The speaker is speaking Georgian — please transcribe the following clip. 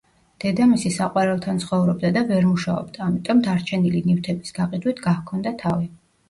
დედამისი საყვარელთან ცხოვრობდა და ვერ მუშაობდა, ამიტომ, დარჩენილი ნივთების გაყიდვით გაჰქონდათ თავი.